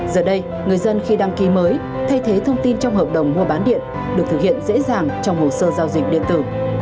giờ đây người dân khi đăng ký mới thay thế thông tin trong hợp đồng mua bán điện được thực hiện dễ dàng trong hồ sơ giao dịch điện tử